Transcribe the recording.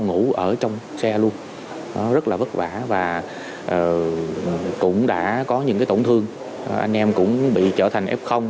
ngủ ở trong xe luôn rất là vất vả và cũng đã có những tổn thương anh em cũng bị trở thành f